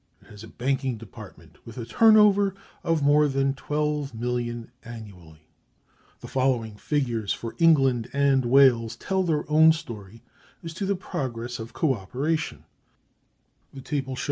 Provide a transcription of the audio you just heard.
It has a banking department with a turn over of more than £12,000,000 annually."(317) The following figures for England and Wales tell their own story as to the progress of co operation:(318) 1862. 1881.